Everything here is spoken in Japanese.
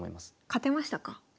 勝てましたか？